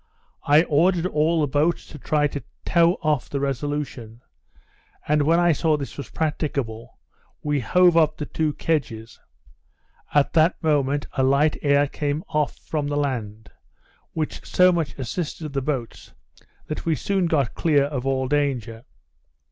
I ordered all the boats to try to tow off the Resolution; and when I saw this was practicable, we hove up the two kedges. At that moment, a light air came off from the land, which so much assisted the boats, that we soon got clear of all danger.